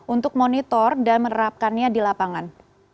untuk monitor dan menerapkannya di lapangan